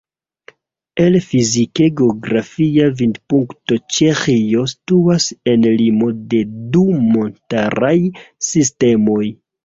El fizike-geografia vidpunkto Ĉeĥio situas en limo de du montaraj sistemoj.